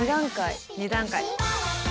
２段階。